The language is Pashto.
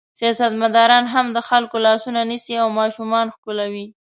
سیاستمداران هم د خلکو لاسونه نیسي او ماشومان ښکلوي.